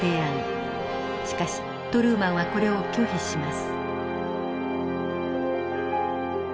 しかしトルーマンはこれを拒否します。